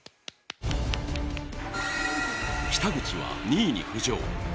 北口は、２位に浮上。